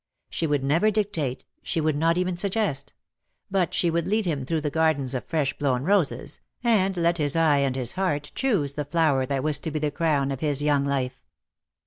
She would never dictate, she would not even suggest; but she would lead him through gardens of fresh blown roses, and let his eye and his heart choose the flower that was to be the crown of his young life.